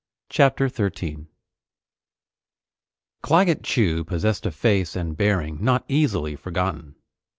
CHAPTER 13 Claggett Chew possessed a face and bearing not easily forgotten.